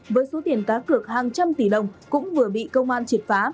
với số tiền cá cược hàng trăm tỷ đồng cũng vừa bị công an triệt phá